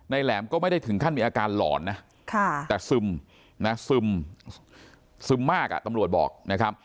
แหลมก็ไม่ได้ถึงขั้นมีอาการหลอนนะแต่ซึมนะตำรวจบอกนะครับ